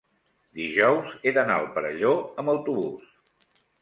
dijous he d'anar al Perelló amb autobús.